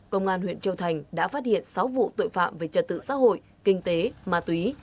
công an huyện châu thành đã phát hiện sáu vụ tội phạm về trật tự xã hội kinh tế ma túy